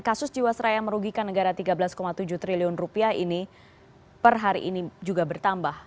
kasus jiwasraya yang merugikan negara tiga belas tujuh triliun rupiah ini per hari ini juga bertambah